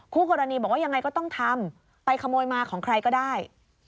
คู่กรณีบอกว่ายังไงก็ต้องทำไปขโมยมาของใครก็ได้